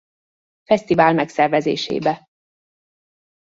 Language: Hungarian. Festival megszervezésébe.